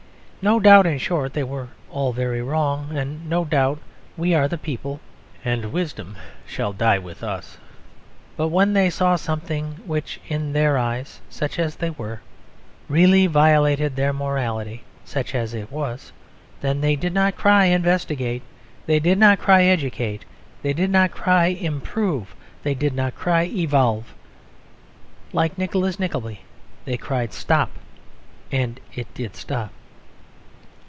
No doubt, in short, they were all very wrong; and no doubt we are the people, and wisdom shall die with us. But when they saw something which in their eyes, such as they were, really violated their morality, such as it was, then they did not cry "Investigate!" They did not cry "Educate!" They did not cry "Improve!" They did not cry "Evolve!" Like Nicholas Nickleby they cried "Stop!" And it did stop.